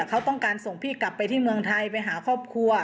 เขาต้องการส่งพี่กลับไปที่เมืองไทยไปหาครอบครัว